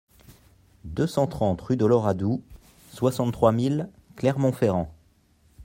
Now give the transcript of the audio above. deux cent trente rue de l'Oradou, soixante-trois mille Clermont-Ferrand